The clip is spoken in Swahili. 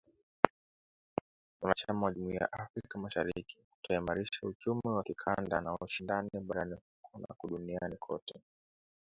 mwanachama wa Jumuiya ya Afrika Mashariki kutaimarisha uchumi wa kikanda na ushindani barani huko na kote duniani.